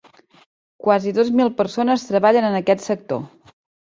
Quasi dos mil persones treballen en aquest sector.